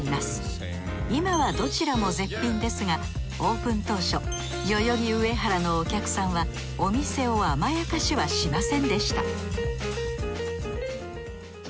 今はどちらも絶品ですがオープン当初代々木上原のお客さんはお店を甘やかしはしませんでした正直。